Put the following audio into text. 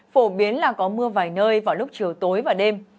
phổ biến là có mưa vài nơi vào lúc chiều tối và đêm